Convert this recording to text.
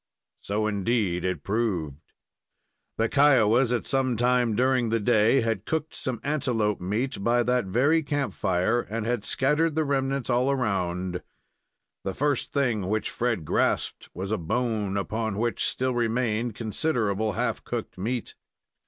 So, indeed, it proved. The Kiowas, at some time during the day, had cooked some antelope meat by that very campfire, and had scattered the remnants all round. The first thing which Fred grasped was a bone, upon which still remained considerable half cooked meat.